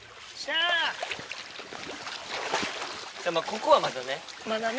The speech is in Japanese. ここはまだね。